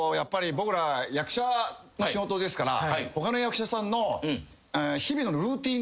僕ら役者の仕事ですから他の役者さんの。